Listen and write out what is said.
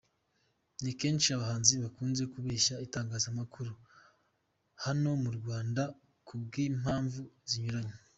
Ni kenshi abahanzi bakunze kubeshya itangazamakuru hano mu Rwanda kubw’impamvu zinyuranye.